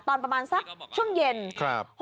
ตอนประมาณสักช่วงเย็นครับ